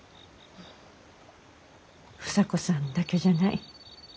房子さんだけじゃない。